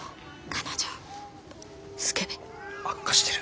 彼女スケベ。悪化してる。